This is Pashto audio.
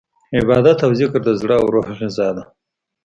عبادت او ذکر د زړه او روح غذا ده.